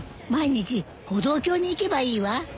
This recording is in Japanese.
毎日歩道橋に行けばいいわ。